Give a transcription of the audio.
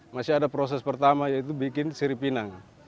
masih ada proses pertama yaitu bikin siripinang